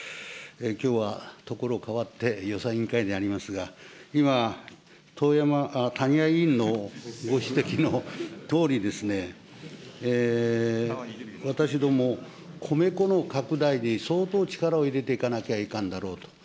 きょうは、所変わって、予算委員会でありますが、今、とうやま、谷合議員のご指摘のとおりですね、私ども、米粉の拡大に相当力を入れていかなきゃいかんだろうと。